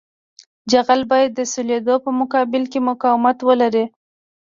جغل باید د سولېدو په مقابل کې مقاومت ولري